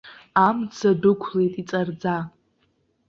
Амца дәықәлеит иҵарӡа.